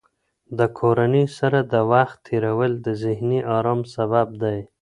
د کورنۍ سره د وخت تېرول د ذهني ارام سبب دی.